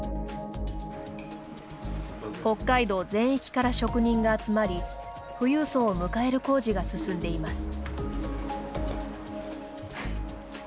北海道全域から職人が集まり富裕層を迎える工事が進んでいます。